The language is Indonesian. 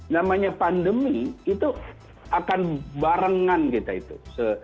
namanya pandemi itu akan barengan kita itu